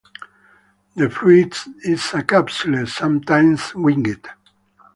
The fruit is a capsule, sometimes winged.